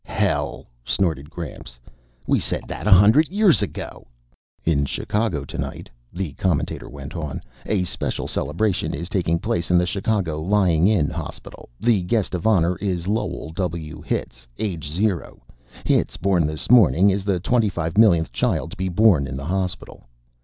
"Hell!" snorted Gramps. "We said that a hundred years ago!" "In Chicago tonight," the commentator went on, "a special celebration is taking place in the Chicago Lying in Hospital. The guest of honor is Lowell W. Hitz, age zero. Hitz, born this morning, is the twenty five millionth child to be born in the hospital."